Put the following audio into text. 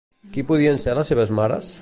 Qui poden ser les seves mares?